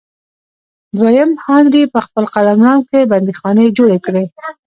دویم هانري په خپل قلمرو کې بندیخانې جوړې کړې.